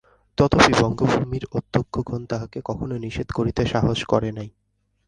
তথপি রঙ্গভূমির অধ্যক্ষগণ তাহাকে কখনো নিষেধ করিতে সাহস করে নাই।